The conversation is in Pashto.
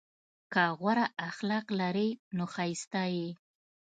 که غوره اخلاق لرې نو ښایسته یې!